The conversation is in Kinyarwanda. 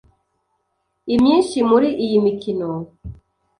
Imyinshi muri iyi mikino